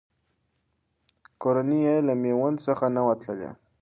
کورنۍ یې له میوند څخه نه وه تللې.